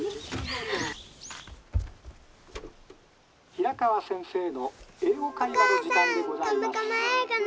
「平川先生の『英語会話』の」。